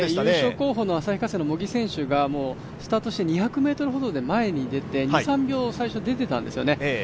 優勝候補の旭化成の茂木選手がスタートしてから前に出て２３秒最初出ていたんですよね。